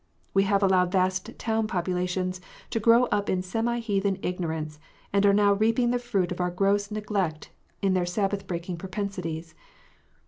We have allowed vast town populations to grow up in semi heathen ignorance, and are now reaping the fruit of our gross neglect in their Sabbath breaking propensities.